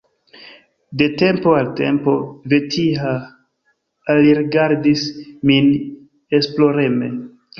De tempo al tempo Vetiha alrigardis min esploreme.